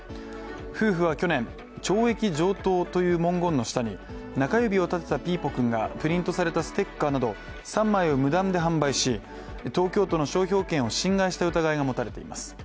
夫婦は去年、懲役上等という文言の下に中指を立てたピーポくんがプリントされたステッカーなど３枚を、無断で販売し東京都の商標権を侵害した疑いが持たれています。